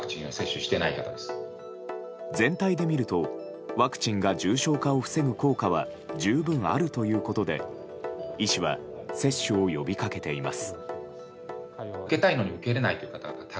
全体で見るとワクチンが重症化を防ぐ効果は十分あるということで医師は接種を呼びかけています。